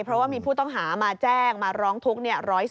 เพราะว่ามีผู้ต้องหามาแจ้งมาร้องทุกข์